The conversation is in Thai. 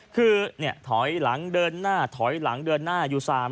คือเนี่ยถอยหลังเดินหน้าเดินหน้าอยู่สาม